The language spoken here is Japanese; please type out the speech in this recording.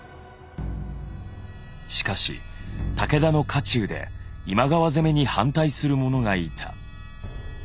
しかし武田の家中で今川攻めに反対する者がいた。